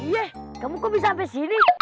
yeh kamu kok bisa sampai sini